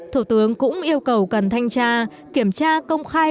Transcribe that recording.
thủ tướng cũng yêu cầu cần thanh tra kiểm tra công khai